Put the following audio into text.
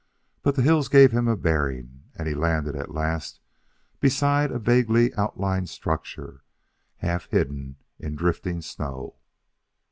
But the hills gave him a bearing, and he landed at last beside a vaguely outlined structure, half hidden in drifting snow.